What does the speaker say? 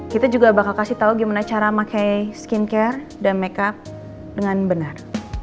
kita juga akan memberi tahu cara memakai skincare dan makeup dengan benar